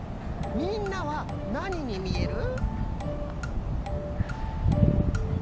みんなはなににみえる？